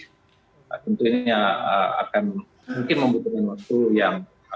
tentunya akan mungkin membutuhkan waktu yang